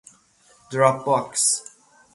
دراپ باکس